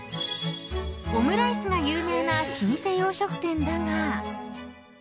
［オムライスが有名な老舗洋食店だが］